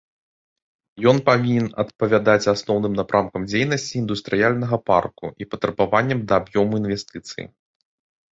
Ён павінен адпавядаць асноўным напрамкам дзейнасці індустрыяльнага парку і патрабаванням да аб'ёму інвестыцый.